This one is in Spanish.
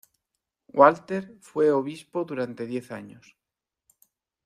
Walter fue obispo durante diez años.